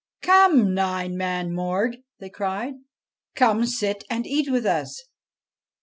' Come, Nine Man Mord I ' they cried ;' come, sit and eat with us.'